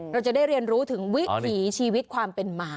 เราจะได้เรียนรู้ถึงวิถีชีวิตความเป็นหมา